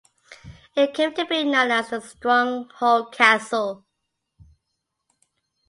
It came to be known as the Stronghold Castle.